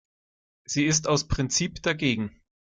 Sie ist aus Prinzip dagegen.